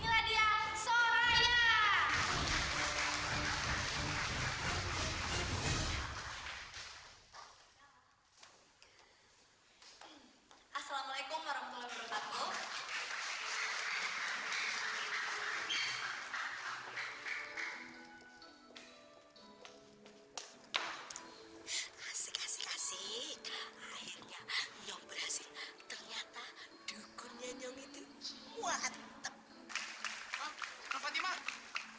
asik asik akhirnya nyok berhasil ternyata dukunnya nyong itu